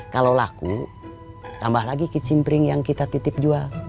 kalau laku tambah lagi kicimpring yang kita titip jual